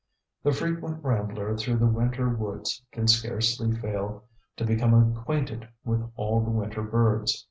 "_ The frequent rambler through the winter woods can scarcely fail to become acquainted with all the winter birds.